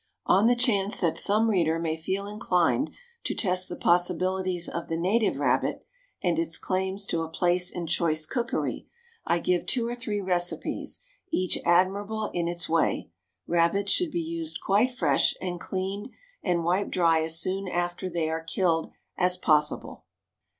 On the chance that some reader may feel inclined to test the possibilities of the native rabbit, and its claims to a place in choice cookery, I give two or three recipes, each admirable in its way. Rabbits should be used quite fresh, and cleaned and wiped dry as soon after they are killed as possible.